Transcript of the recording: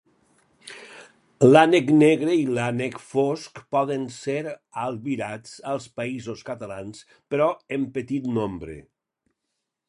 L'ànec negre i l'ànec fosc poden ser albirats als Països Catalans però en petit nombre.